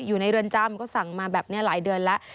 อยู่ในเรือนจำก็สั่งมาแบบนี้หลายเดือนแล้ว